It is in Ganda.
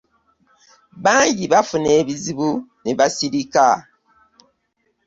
Bangi bafuna ebizibu ne basirika.